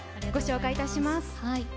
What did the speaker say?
ご紹介いたします。